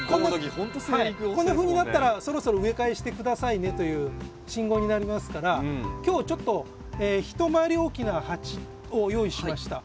こんなふうになったらそろそろ植え替えして下さいねという信号になりますから今日ちょっと一回り大きな鉢を用意しました。